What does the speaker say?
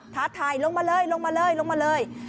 ท้าทายลงมาเลยลงมาเลยลงมาเลย